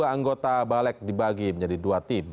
dua puluh anggota balik dibagi menjadi dua tim